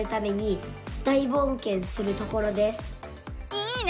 いいね！